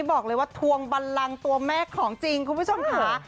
บอกเลยว่าทวงบันลังตัวแม่ของจริงคุณผู้ชมค่ะ